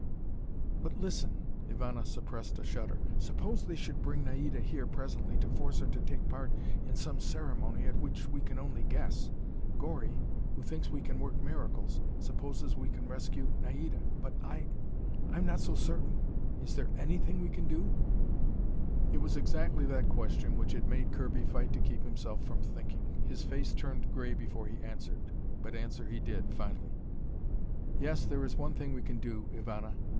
"But listen " Ivana suppressed a shudder. "Suppose they should bring Naida here presently to force her to take part in some ceremony at which we can only guess. Gori, who thinks we can work miracles, supposes we can rescue Naida. But I I'm not so certain. Is there anything we can do?" It was exactly that question which had made Kirby fight to keep himself from thinking. His face turned gray before he answered. But answer he did, finally. "Yes, there is one thing we can do, Ivana.